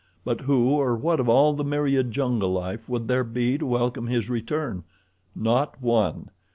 But who or what of all the myriad jungle life would there be to welcome his return? Not one.